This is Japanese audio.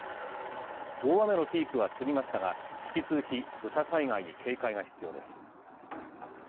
大雨のピークは過ぎましたが、引き続き土砂災害に警戒が必要です。